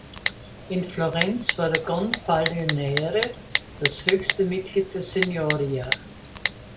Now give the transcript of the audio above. In Florenz war der Gonfaloniere das höchste Mitglied der Signoria.